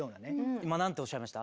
今何ておっしゃいました？